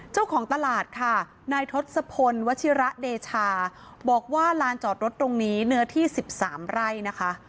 เจ้าของตลาดค่ะนายทศพลวัชิระเดชาบอกว่าลานจอดรถตรงนี้เนื้อที่๑๓ไร่นะคะ